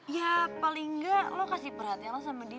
ya paling enggak lo kasih perhatian lo sama dia